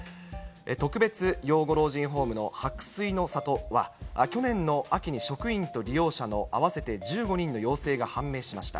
特別養護老人ホームの薄水の郷は、去年の秋に職員と利用者の合わせて１５人の陽性が判明しました。